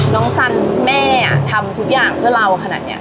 น้องสันแม่อะทำทุกอย่างเพื่อเราขนาดเนี่ย